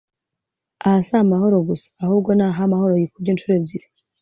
Aha si ah'amahoro gusa, ahubwo ni ah'amahoro yikubye inshuro ebyiri!